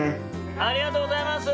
ありがとうございます！